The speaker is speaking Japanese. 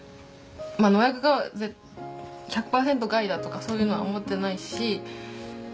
農薬が１００％害だとかそういうのは思ってないし。